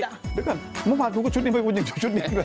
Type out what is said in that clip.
ชุดนี้มันมีชุดเลงไปหรืออะไรนะนะคะใช่ค่ะ